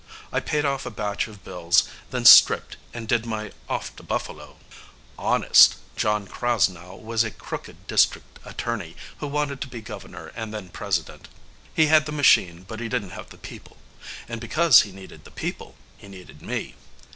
I paid off a batch of bills, then stripped and did my off to Buffalo. "Honest" John Krasnow was a crooked District Attorney who wanted to be Governor and then President. He had the Machine, but he didn't have the People. And, because he needed the People, he needed me.